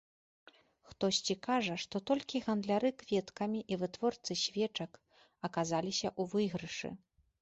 Хтосьці кажа, што толькі гандляры кветкамі і вытворцы свечак аказаліся ў выйгрышы.